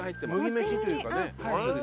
麦飯というかね。